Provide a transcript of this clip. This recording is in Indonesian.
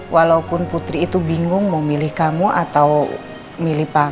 walaupun putri itu bingung mau milih kamu atau milih kamu